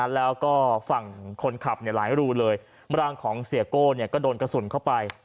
แล้วก็ฝั่งคนขับหลายรูเลยร่างของเสียโก้ก็โดนกระสุนเข้าไป